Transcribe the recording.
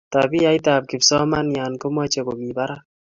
tabiait ab kipsomanian ko mechei komi barak